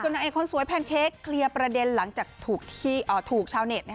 นางเอกคนสวยแพนเค้กเคลียร์ประเด็นหลังจากถูกชาวเน็ต